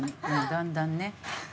だんだんね。